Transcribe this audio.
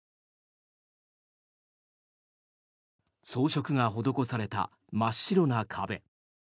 装飾が施された真っ白な壁。